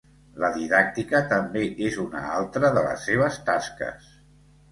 La didàctica també és una altra de les seves tasques.